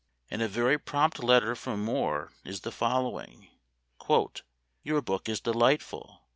In a very prompt letter from Moore is the following :" Your book is delightful.